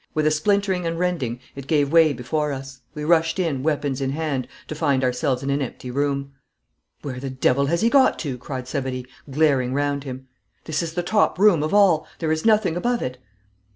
With a splintering and rending it gave way before us. We rushed in, weapons in hand, to find ourselves in an empty room. 'Where the devil has he got to?' cried Savary, glaring round him. 'This is the top room of all. There is nothing above it.'